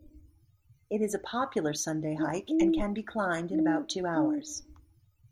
It is a popular Sunday hike, and can be climbed in about two hours.